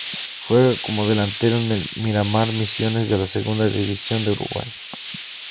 Juega como delantero en el Miramar Misiones de la Segunda División de Uruguay.